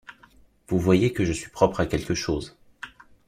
Vous voyez que je suis propre à quelque chose.